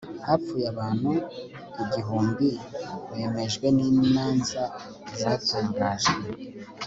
hapfuye abantu igihumbibemejwe n'imanza zatangajwe